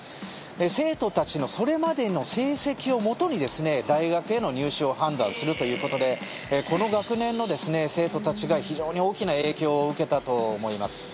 生徒たちのそれまでの成績をもとに大学への入試を判断するということでこの学年の生徒たちが非常に大きな影響を受けたと思います。